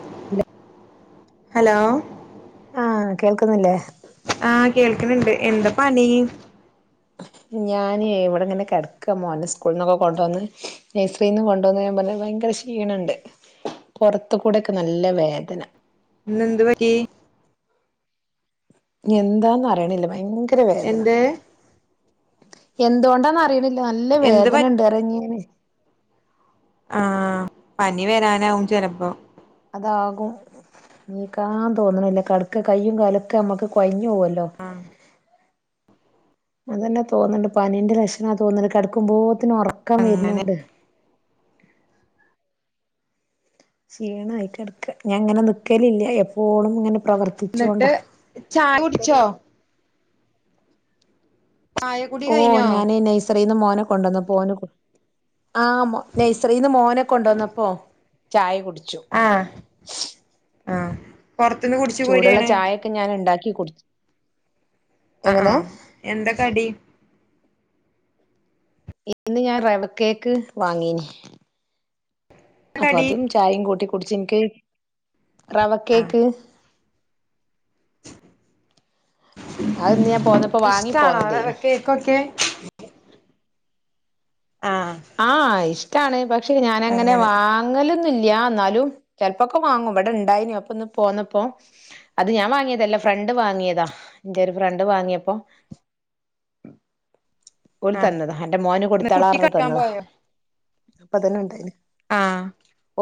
[inaudible] Hello ആ കേൾക്കുന്നില്ലേ ആ കേൾക്കണണ്ട് എന്താ പണീ ഞാനെ ഇവിടിങ്ങനെ കിടക്കാ മോന്റെ സ്കൂളിന്നൊക്കെ കൊണ്ടുവന്ന് നഴ്സറിന്ന് കൊണ്ടുവന്നഴിയുമ്പം പിന്നെ ഭയങ്ക ക്ഷീണണ്ട് പൊറത്ത് കൂടെക്കെ നല്ല വേദന ഇന്നെന്തുപറ്റി എന്താന്ന് അറിയണില്ല ഭയങ്കര വേദന എന്ത് എന്തുകൊണ്ടാന്ന് അറിണില്ല നല്ല എന്ത് പ വേദന ഇണ്ട് [unintelligible] ആ പനി വരാനാവും ചിലപ്പം അതാകും നീക്കാൻ തോന്നണില്ല കടക്ക കയ്യും കാലൊക്കെ ഞമ്മക്ക് കൊയ് ഞ്ഞോ വൊല്ലൊ അതന്നെ തോന്ന്ണ്ട് പനിന്റെ ലക്ഷണാ തോന്ന്ണ്ട് കെടക്കുമ്പോ ത്തിന് ഒറക്കം അങ്ങനെ വരുനൂണ്ട് ക്ഷീണായി കിടക്ക ഞാൻ ഇങ്ങനെ നിക്കലില്ല എപ്പോളും ഇങ്ങനെ എന്നിട്ട് പ്രവർത്തിച്ചോണ്ടാ ചായ കുടിച്ചോ ചായ കുടി ഓ കഴിഞ്ഞോ ഞാനെ നൈസറിന്ന് മോനെ കൊണ്ടന്നപ്പോ ഓന് കൊ ആ മൊ നൈസറിന്ന് മോനെ കൊണ്ടന്നപ്പോ ചായ കുടി ച്ചു ആഹ് ആഹ് പൊറത്തുന്ന് കുടിച്ചു ചൂടുള്ള പോരാണ് ചായയൊക്കെ ഞാൻ ഇണ്ടാക്കി കുട്ച്ച് അആ എന്താകടി ഇന്ന് ഞാൻ റവ കേക്ക് വാങ്ങീ നി അപ്പൊ കടി അതും ചായയും കൂട്ടി കുടിച്ച് ഇൻക്ക് റവ ആഹ് കേക്ക് അത്ന്ന് ഞാൻ പോന്നപ്പോ വാങ്ങി ഇഷ്ടാണോ റവ പോന്നതേനു കേക്കൊക്കെ ആഹ് ആ ഇഷ്ടാണ് പക്ഷെ ഞാാനങ്ങനെ അങ്ങനെ വാങ്ങല് ന്നില്യ എന്നാലും ചെലപ്പോക്കെ വാങ്ങും ഇവിടെ ഉണ്ടായിനി അപ്പൊ ഇന്ന് പോന്നപ്പം അത് ഞാൻ വാങ്ങിയതല്ല ഫ്രണ്ട് വാങ്ങിയതാ ഇന്റെ ഒര് ഫ്രണ്ട് വാങ്ങിയപ്പം ഓല് ആഹ് തന്നതാ അന്റെ മോന് കുട്ടി കൊടുത്താളാറ്ഞ്ഞ് തന്നതാ [unintelligible] അപ്പ അതന്നെ ഉണ്ടായിനി ആഹ്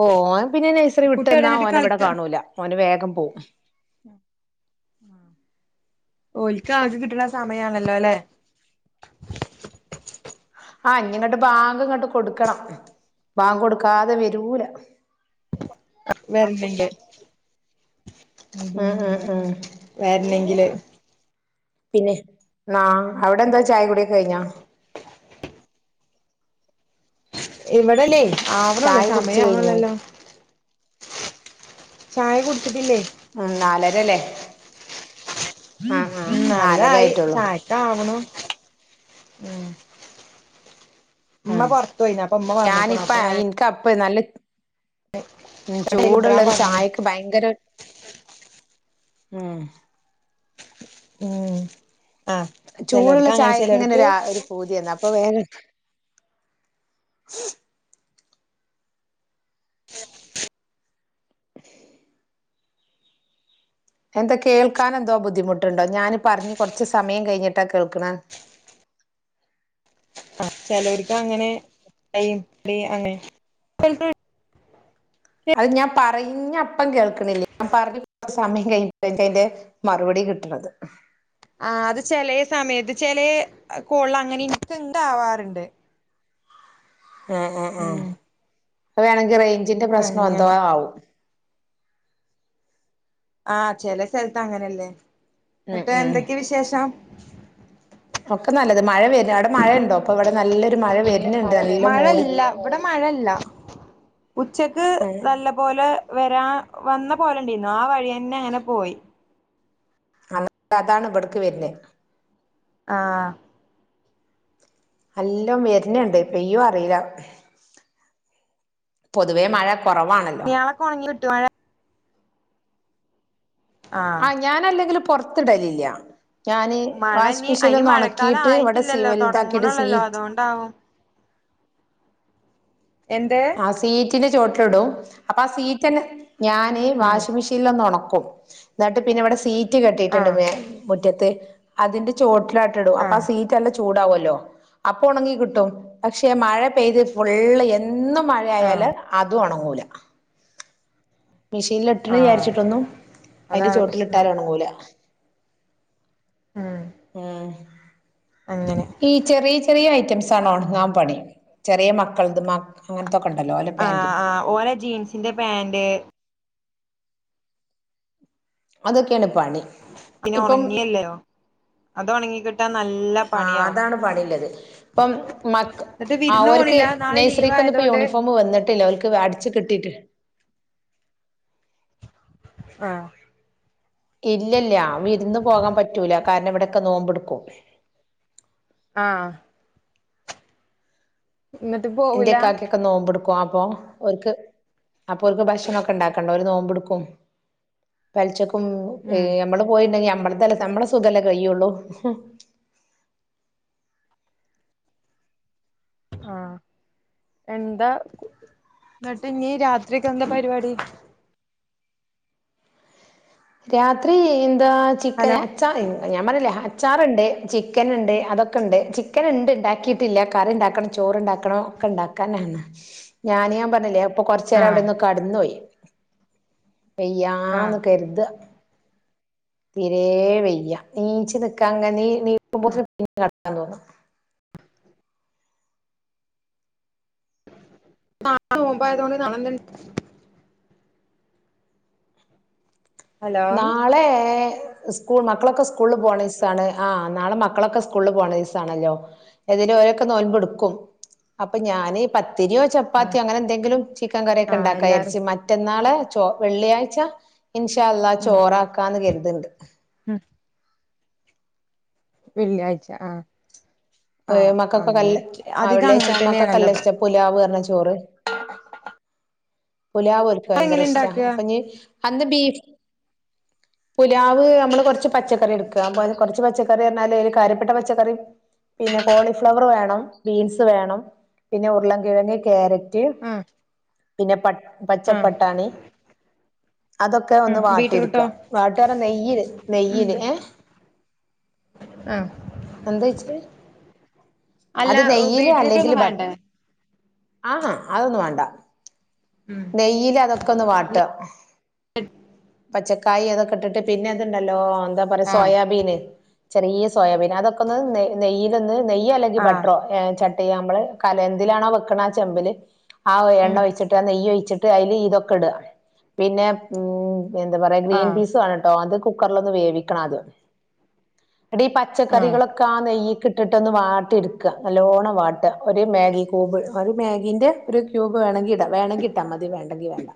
ഓ ഓൻ പിന്നെ നഴ്സറി കുട്ടി എവിടെ വിട്ടന്നാ എന്നിട്ട് ഓനെ ഇവടെ കാണൂല ഓന് വേഗം പോവും ഉം ആ ഓല്ക്ക് ആകെ കിട്ടണ സമയാണല്ലോ ല്ലെ ആ ഇഞ്ഞ് ഇങ്ങട്ട് ബാങ്ക് ഇങ്ങട്ട് കൊടുക്കണം വാങ്കോടുക്കാതെ വരൂല വര്ലില്ലെ ഉം ഉം [unintelligible] ഉം വര്നെങ്കില് പിന്നെ ആഹ് അവിടെന്താ ചായ കുടി ഒക്കെ കഴിഞ്ഞോ ഇവിടല്ലേ ആവ്ണള്ളു ചായ കുടിച്ച് സമയ കഴിഞ്ഞോയ്ക്ക ആവ്ണള്ളല്ലോ ചായ കുടിച്ചിട്ടില്ലേ മം നാലര ലെ ഉം നാരോയി ചായക്കാവണം ഉം ഉമ്മ അഹ് പുറത്തു പോയിന് അപ്പൊ ഉമ്മ വന്നക്കണു ഞാനിപ്പ അപ്പൊ അ ഞാൻ ഇൻക്ക് അ പ്പെ നല്ലെ ഉം ചൂടുള്ള കൊണ്ടരാൻ ഒരു പറഞ്ഞു ചായക്ക് ഭയങ്കര ഊം ഉം ആഹ് ചൂടുള്ള ചിലർക്ക് അങ്ങനെ ചിലർക്ക് ചായക്കിങ്ങനൊരു ആ ഒരു പൂതി വന്ന് അപ്പൊ വേഗ എന്താ കേൾക്കാൻ എന്തോ ബുദ്ധിമുട്ടുണ്ടോ ഞാൻ പറഞ്ഞ് കുറച്ച് സമയം കഴിഞ്ഞിട്ടാ കേൾക്കണത് ആ ചെലോര്ക്ക് അങ്ങനെ [unintelligible] അത് ഞാൻ പറയ് ഞ്ഞപ്പം കേൾക്ണില്ല ഞാൻ പറഞ്ഞ സമയം കഴിഞ്ഞിട്ടാ ഇജ്ജയിന്റെ മറുപടി കിട്ടണത് ആ അത് ചെലേ സമയത്ത് ചെലേ കോൾള് അങ്ങനി ഇൻക്ക് ഇന്താവാറുണ്ട് എഹ് എഹ് എഹ് അത് വേണെങ്കി റേഞ്ചിന്റെ പ്രശ്നം എന്തോ അങ്ങനെ ആവും. ആഹ് ചെല സെൽത്ത് അങ്ങനല്ലേ. ഉം ന്നട്ട് ഉം എന്തൊക്കെയ വിശേഷം? ഒക്കെ നല്ലത്. മഴ വര് ൻ്റ്. അവിടെ മഴണ്ടോ. ഇപ്പൊ ഇവിടെ നല്ലൊരു മഴ വര്ന്ണ്ട്. നല്ല മൂടി മഴല്ല ഇവിടെ മഴല്ല ഉച്ചക്ക് ഏഹ് നല്ല പോലെ വരാ വന്ന പോലണ്ടീന്നു ആ വഴിയന്നെ ങ്ങനെ പോയി. അ അതാണ് ഇവിടക്ക് വര്നെ. ആഹ്. അല്ലൊം വര്ന്ണ്ട്. പെയ്യോ അറീല്ല. പൊതുവേ മഴ കൊറവാണല്ലോ. ട്ട് മഴ ആഹ് ഞാനല്ലെങ്കിലും പൊർത്തിടലില്ല. ഞാന് മഴ വാഷി ഇനി അയിന് മെഷീൽലൊന്ന് മഴക്കാലം ഒണക്കീട്ട് ഇവിടെ സി ആയിട്ടില്ലല്ലോ വല്താക്കിട്ട് സീ തൊടങ്ങണൊള്ളല്ലോ അതോണ്ടാവും എന്ത്? റ്റിന്റെ ചോട്ടില്ടും. അപ്പൊ ആ സീറ്റന്നെ, ഞാന് ഉം വാഷിംഗ് മെഷീനിലൊന്ന് ഉണക് ക്കും ഇന്നട്ട് പിന്നെ ഇവടെ സീറ്റ് കെട്ടീട്ട്ണ്ട് ആഹ് മെ മുറ്റത്ത്. അതിന്റെ ചോ ട്ട്ലാട്ട്ടും അപ്പ ആ ആഹ് സീറ്റല്ല ചൂടാവല്ലോ അപ്പ ഒണങ്ങി കിട്ടും പക്ഷെ മഴ പെയ്ത് ഫുള്ള് എ ന്നും മഴ ആയാല് ആഹ് അതും ഒണങ്ങൂല. മെഷീൻൽ ഇട്ട്ണ് ആഹ് വിചാരിച്ചിട്ടൊന്നും അയിന്റെ അതാണ് പ്രശ്നം ചോട്ടിലിട്ടാലൊണങ്ങൂല. ഉം ആഹ് അങ്ങനെ ഈ ചെറിയ ചെറിയ ഐറ്റംസാണ് ഒണങ്ങാൻ പണി. ചെറിയ മക്കൾത് മ അങ്ങനത്തൊക്കെ ഉണ്ടല്ലോ ഓലെ ആ പാന്റ് ആ ഓരാ ജീൻസിന്റെ പാന്റ് അതൊക്കേണ്പണി പിന്നെ ഇപ്പം ഒണങ്ങിയല്ലോ അത് ഒണങ്ങി കിട്ടാൻ നല്ല ആ പണിയാവും അതാണ് പണില്ലത് ഇപ്പം മക്ക എന്നിട്ട് ആഹ് വിരുന്ന് ഓൽക്ക് പോണില്ല നാളെ ലീവ് നെയ്സ്രിക്കൊന്നും ഇപ്പോ ആയതോണ്ട് യൂണിഫോം വന്നിട്ടില്ല ഓര്ക്ക് അടിച്ചു കിട്ട് ട്ടീട്ട് ആഹ് കാര്ണം ഇവിടൊക്കെ നോമ്പ്ട്ക്കും ആഹ് എന്നിട്ട് പോവൂല ഇന്റെക്കാക്കൊക്കെ നോമ്പ്ട് ക്ക്വാ അപ്പോ ഓര്ക്ക് അപ്പൊ ഓൽക്ക് ഭക്ഷണൊക്കെണ്ടാക്കണ്ടെ ഓര് നോമ്പ്ടുക്കും പെൽച്ചക്കും ഏ ഉം നമ്മള് പോയിണ്ടെങ്കി നമ്മൾ തല്ലേ നമ്മളെ സുഖല്ലേ കയ്യുള്ളൂ ഹും ആഹ് എന്താ ന്നിട്ട് ഇഞ്ഞി രാത്രിക്കെന്താ പരിപാടി രാത്രി എന്താ ചിക്കന് ഹലോ അച്ചാ ഞാൻ പർഞ്ഞില്ലേ ആ ച്ചാറുണ്ട് ചിക്കൻണ്ട് അതൊക്കെണ്ട് ചിക്കൻണ്ട് ഉണ്ടാക്കിയിട്ടില്ല കറി ഉണ്ടാക്കണം ചോറ്ണ്ടാക്കണം ക്കെണ്ടാക്കാനാണ് ഞാന് ഞാൻ പറഞ്ഞില്ലേ അപ്പൊ കൊറച്ചേരം ആഹ് അവിടെന്ന് കടന്നു പോയി ആഹ് വയ്യാന്ന് കര്താ തീരേ വയ്യ നീച്ച്നിക്കാങ്ങനെ ഈ നീക്കുമ്പോത്തിന് പിന്നിം കടക്കാൻ തോന്നാ നാളെ നോമ്പായതോണ്ട് നാളെന്താ ഹലോ നാളേ സ്കൂ മക്കളൊക്കെ സ്കൂളില് പോണദിസാണ് ആ നാളെ മക്കളൊക്കെ സ്കൂളിൽ പോണ ദിവസാണല്ലോ എത് അതിന് ഓരൊക്കെ നോയ്മ്പെടുക്കും അപ്പൊ ഞാനി പ- ത്തിരിയോ ആഹ് ചപ്പാത്തിയോ അങ്ങനെ എന്തെങ്കിലും ചിക്കൻ കറിയൊക്കെ ആഹ് ഉണ്ടാക്കാം എല്ലാരും ഇറച്ചി മറ്റന്നാള് ചോ വെള്ളിയാഴ്ച്ച ഇൻഷാ അള്ളാ ചോറാക്കാന്ന് കരുതണ്ട് മ് വെള്ളിയാഴ്ച ആ മക്കക്കൊക്കെ അല്ല ആ അങ്ങനെ വെള്ളിയാഴ്ച്ച തന്നെയാണല്ലോ മക്കക്കല്ലെ ഇഷ്ട പുലാവ്റഞ ചോറ് പുലാവ് ഓര്ക്ക് എങ്ങനെ ഭയങ്കരിഷ്ട്ടാ ഇണ്ടാക്ക അപ്പൊ നി അന്ന് ബീഫ് പുലാവ് നമ്മള് കൊറച്ച് പച്ചക്കറി എടുക്കാ കൊറച്ച് പച്ചക്കറി എന്നാലെ ഒരു കാര്യപ്പെട്ട പച്ചക്കറിയും പിന്നെ കോളിഫ്ലവർ വേണം ബീൻസുവേണം പിന്നെ ഉരുളൻ കിഴങ്ങ് ക്യാരറ്റ് ആഹ് പിന്നെ പ ആഹ് പച്ചപ്പട്ടാണി അതൊക്കെ ഉം ഒന്ന് വാട്ടി ബീറ്റ്റൂട്ടോ എടുക്കുക വാട്ടുന്നറഞ നെയ്യില് ഉം നെയ്യില് എ ആഹ് എന്താ ചൊയ്ച്ചെ അല്ല അതുനെയ്യില് ബീറ്റ്റൂട്ട് അല്ലെങ്കിൽ ഒന്നും ബട്ട് വേണ്ടേ ആഹ അതൊന്നും വേണ്ട ഉം നെയ്യില് അതൊക്കെയൊന്ന് വാട്ടുക പച്ചക്കായി അതൊക്കെ ഇട്ടിട്ട് പിന്നെ അതുണ്ടല്ലോ എന്താ പറയ ആഹ് സോയാബീന് ചെറിയ സോയാബീൻ അതൊക്കെയൊന്ന് നെയ്യ് നെയ്യിലൊന്ന് നെയ്യല്ലെങ്കിൽ ആഹ് ബട്ടറോ ചട് തെയ്യമ്മള് കലം എന്തിലാണോ വെക്കണ ആ ചെമ്പില് ആ എണ്ണ ഉം ഒയിച്ചിട്ട് ആ നെയ്യ് ഓയി ച്ചിട്ട് അയില് ഇതൊക്കെ ഇട പിന്നെ ഉം എന്താ പറയാ ഗ്രീൻ ആഹ് പീസ് വേണൊട്ടോ അത് കുക്കറിലൊന്ന് വേവിക്കണദ്യം. എന്നിട്ടീ ഈ ആഹ് പച്ചക്കറികളൊക്കെ ആ നെയ്യ്ക്ക് ഇട്ടിട്ടൊന്ന് വാട്ടിഎടുക്ക, നല്ലോണ്ണം വാട്ടുക. ഒരു മാഗി കൂബ് ഒരു മാഗീൻ്റെ ഒരു ക്യൂബ്‌ വെണെങ്കിൽ ഇ ട വേണെങ്കിൽ ഇട്ടാ മതി വേണ്ടെങ്കിൽ വേണ്ട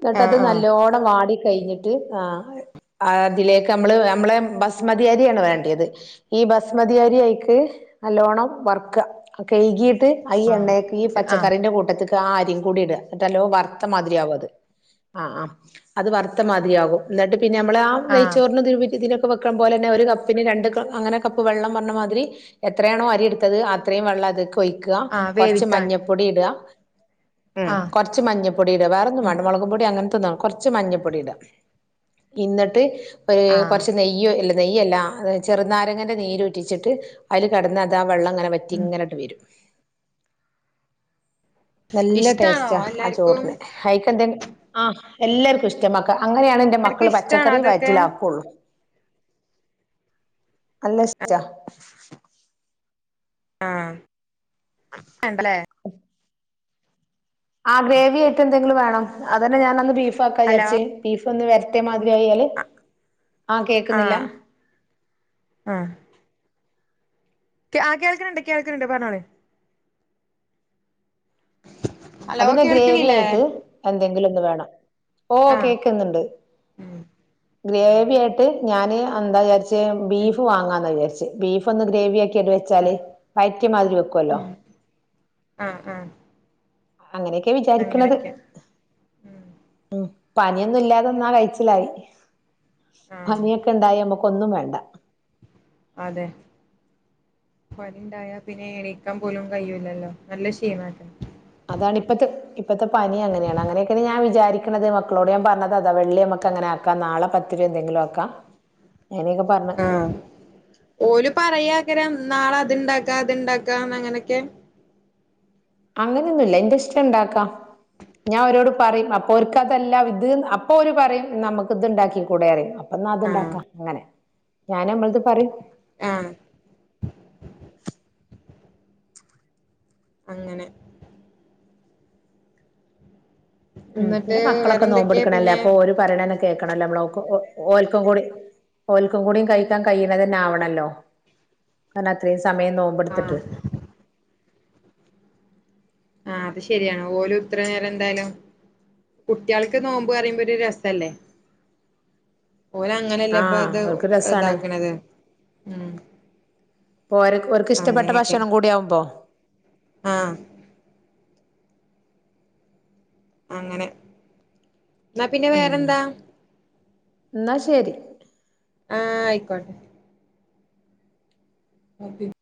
എന്നിട്ട് അത് ആഹ് ആഹ് നല്ലോണം വാടി കഴിഞ്ഞിട്ട് ആഹ് ആ അതിലേക്ക് ഞമ്മള് ഞമ്മളെ ബസ്മതിയരിയാണ് വേണ്ടിയത് ഈ ബസ്മതി അരി അഴിക്ക് നല്ലോണം വർക്ക കഴ്കീട്ട് ഐ ഈ എണ്ണേയ്ക്ക് ഈ ആഹ് ആഹ് പച്ചക്കറിന്റെ കൂട്ടത്ത്ക്ക് ആ അരി പൊടിടുക എന്നിട്ടല്ലൊ വറുത്തമാതിരി അവും അത് ആ ആമ് അത് വറുത്ത മാതിരി ആക്കും എന്നിട്ട് പിന്നെ നമ്മള ആ ആഹ് നൈച്ചോറിന് ഇതിനു [unintelligible] വെക്കുപോലെന്നെ ഒരു കപ്പിന് രണ്ട് കപ്പ് അങ്ങനെ കപ്പ് വെള്ളം പറഞ്ഞ മാതിരി എത്രയാണോ അരിയെടുത്തത് അത്രയും വെള്ളം അത്ക്ക് പൊയ്ക്കുക ആഹ് കുറച്ച് വേവിക്കാന് മഞ്ഞപ്പൊടി ഇടുക ഉം ആഹ് കൊറച്ച് മഞ്ഞപ്പൊടിടാ വേറൊന്നും ഉം വാണ്ട മുളക് പൊടി അങ്ങ [unintelligible] കുറച്ച് മഞ്ഞപ്പൊടി ഇടുക എന്നിട്ട് ആഹ് കുറച്ച് ഒരു നെയ്യോ എല്ല- നെയ്യല്ല ചെറുനാരങ്ങന്റെ നീരൂറ്റിച്ചിട്ട് അതില് കെടന്ന് അതാ വെള്ളം അങ്ങനെ വറ്റി ഉം ഇങ്ങനെട്ട് വരും നല്ല ഇഷ്ടാണോ ടേസ്റ്റാ ആ എല്ലാർക്കും ചോറിന് അയിക്കെന്തേ ആഹ് എല്ലാർക്കും ഇഷ്ട മാക്ക- അങ്ങനെയാണ് എൻ്റെ എല്ലാർക്കും മക്കള് ഇഷ്ടാണോ പച്ചക്കറി അതൊക്കെ വയറ്റിലാകൊള്ളു നല്ലഷ്ട്ടാ ആം എണ്ടലേ ആഹ് ഗ്രേവി ആയിട്ട് എന്തെങ്കിലും വേണം അതൊണ്ട് ഞാനന്ന് ഹലോ ബീഫക്കാവിചാരിച് ബീഫ് ഒന്ന് വരട്ടിയ മാതി [unintelligible] ആ കേൾക്കുന്നില്ല ആഹ് ആ കേൾക്ക്ണണ്ട് കേൾക്ക്ണണ്ട് പറഞ്ഞോളി ഹലോ അതിനെ ഗ്രേവി കേൾക്കണില്ലേ ആയിട്ട് എൻ എന്തെങ്കിലും ഒന്ന് വേണം. ഓ ആഹ് കേക്കുന്നുണ്ട് ഉം ഗ്രേവിയായിട്ട് ഞാന് എന്താ വിചാരിച്ചെ ഉം ബീഫ് വാങ്ങാന്ന് വിചാരിച്ചെ ബീഫ് ഒന്ന് ഗ്രേവി ആക്കി ട്ട് വെച്ചാല് ആഹ് വറ്റിയമാതിരിവെക്കുവല്ലോ ഉം ആഹ് ആഹ് അങ്ങനെയൊക്കെയാ വിചാരിക്കണത് അങ്ങനെയൊക്കെ ഉം ഉം പനിയൊന്നും ഇല്ലാതെന്നാ കയ്ച്ചിലായി ആഹ് പനിയൊക്കെ ഉണ്ടായി നമുക്ക് ഒന്നും വേണ്ട അതെ പണിണ്ടായാ പിന്നെ എണീക്കാൻ പോലും കയ്യൂലല്ലോ. നല്ല ക്ഷീണാ [unintelligible] അതാണ് ഇപ്പത്തെ ഇപ്പത്തെ പനി അങ്ങനെയാണ്. അങ്ങനെയൊക്കെയാണ് ഞാൻ വിചാരിക്കണത് മക്കളോട് ഞാൻ പറഞ്ഞത് അതാ. വെള്ളിയ മ അങ്ങനെ ആക്കാം നാളെ പത്തി എന്തെങ്കിലും ആക്കാം അങ്ങനെയൊക്കെ പറഞ്ഞ് ആഹ ഒരു പറയാകരാ നാളെ അത്ണ്ടാക്ക അത്ണ്ടാക്കാ അങ്ങനൊക്കെ അങ്ങനെയൊന്നുമല്ല എൻന്റെ ഇഷ്ടം ഇണ്ടാക്കാ ഞാൻ അവരോട് പറയും അപ്പൊ അവര്ക്ക്തല്ലാം ഇത് അപ്പൊ അവര് പറയും നമ്മുക്ക് ഇത്ണ്ടാക്കി കൂടെ അറിയും അ ആഹ് അത്ണ്ടാക്കാം അങ്ങനെ ഞാനൻമ്മളത് പറയും ആഹ അങ്ങനെ ഉം എന്നിട്ട് പിന്നെ മളൊക്കെ വേറെന്തൊക്കെയാ നോമ്പിടുക്കണല്ലേ പിന്നെ അപ്പൊ ഒരു പയണന കേക്കണല്ലോ നമ്മള ഓൽക്കും കൂടി ഓൽക്കും കൂടിയും കഴിക്കാൻ കഴിയണ തന്നെ ആവണല്ലോ കാരണം അത്രയും സമയം ആഹ് നോമ്പടുത്തിട്ട് ആഹ അത് ശരിയാണ് ഓല ഉത്തര നേേരം എന്തായാലും കുട്ടികൾക്ക് നോമ്പോ പറയുമ്പോ ഒരു രസല്ലേ [inaudible] ഓന അങ്ങനെല്ല ഇപ്പ ആഹ് അത് അവർക്ക് രസാണ് ഇതാക്കണത് ഉ ഇക്ക് ഇഷ്ടപ്പെട്ട ഭക്ഷണം കൂടി ആകുമ്പോ ആഹ അങ്ങനെ എന്നാ പിന്നെ ഉം വേറെന്താ എന്നാ ശരി ആഹ ആയിക്കോട്ടെ അത